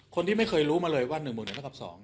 คนที่ไม่เคยรู้มาเลยว่า๑๐๐ทับ๒